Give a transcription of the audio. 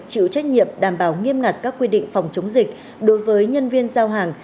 chịu trách nhiệm đảm bảo nghiêm ngặt các quy định phòng chống dịch đối với nhân viên giao hàng